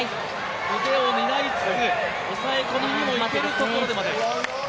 腕を狙いつつ、抑え込みにまでいけるところ。